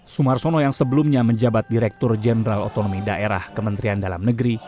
sumarsono yang sebelumnya menjabat direktur jenderal otonomi daerah kementerian dalam negeri